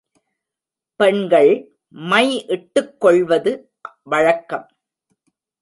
பெண்கள் மை இட்டுக் கொள்வது வழக்கம்.